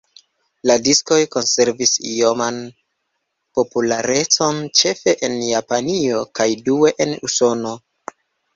La diskoj konservis ioman popularecon ĉefe en Japanio kaj due en Usono.